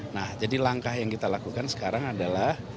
nah jadi langkah yang kita lakukan sekarang adalah